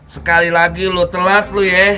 sekali lagi lu telat lu yah